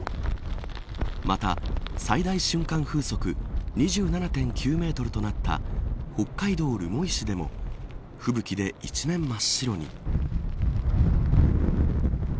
また、最大瞬間風速２７．９メートルとなった北海道留萌市でも吹雪で一面真っ白に。